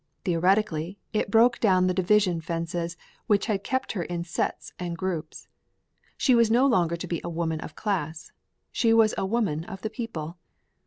Theoretically, it broke down the division fences which had kept her in sets and groups. She was no longer to be a woman of class; she was a woman of the people.